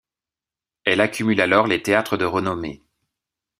Elle accumule alors les théâtres de renommée.